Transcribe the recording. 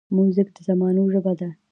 موزیک د زمانو ژبه ده.